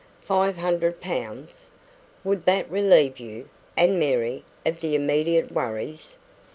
five hundred pounds? Would that relieve you and Mary of the immediate worries?"